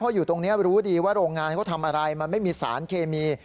อยู่ตรงนี้รู้ดีว่าโรงงานเขาทำอะไรมันไม่มีสารเคมี